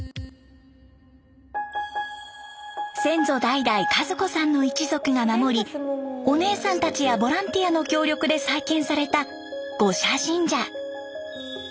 先祖代々和子さんの一族が守りお姉さんたちやボランティアの協力で再建された五社神社。